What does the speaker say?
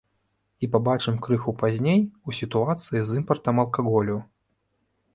І пабачым крыху пазней у сітуацыі з імпартам алкаголю.